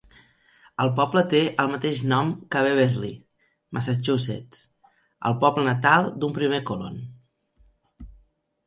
El poble té el mateix nom que Beverly, Massachusetts, el poble natal d'un primer colon.